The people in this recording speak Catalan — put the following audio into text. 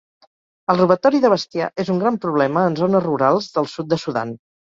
El robatori de bestiar és un gran problema en zones rurals del sud de Sudan.